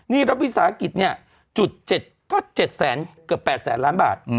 นี่รัฐวิสาหกิจเนี่ยจุด๗ก็๗เกือบ๘แสนล้านบาท